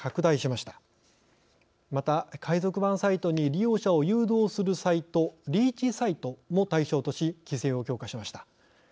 また海賊版サイトに利用者を誘導するサイトリーチサイトも対象とし規制を強化しました。